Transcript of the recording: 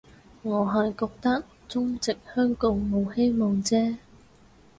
我係覺得中殖香港冇希望啫